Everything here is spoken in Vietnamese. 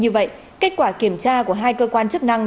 như vậy kết quả kiểm tra của hai cơ quan chức năng